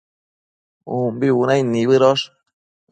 umbi bunaid nibëdosh